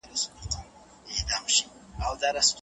خیر باید کم ونه ګڼل سي.